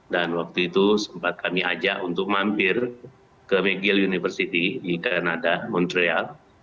dan waktu itu sempat kami ajak untuk mampir ke mcgill university di kanada montreal